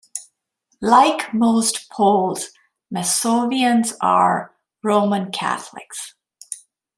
Like most Poles, Masovians are Roman Catholics.